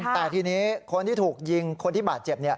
แต่ทีนี้คนที่ถูกยิงคนที่บาดเจ็บ